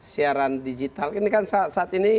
siaran digital ini kan saat ini